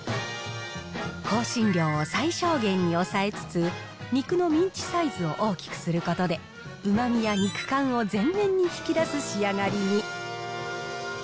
香辛料を最小限に抑えつつ、肉のミンチサイズを大きくすることで、うまみや肉感を前面に引き出す仕上がりに。